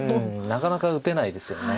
なかなか打てないですよね。